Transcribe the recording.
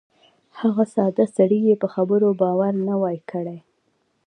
هغه ساده سړي یې په خبرو باور نه وای کړی.